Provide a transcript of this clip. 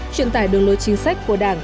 truyền tải đường lối chính sách của đảng